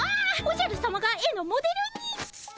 おじゃるさまが絵のモデルに！